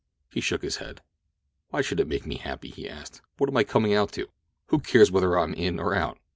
He shook his head. "Why should it make me happy?" he asked. "What am I coming out to? Who cares whether I am in or out?"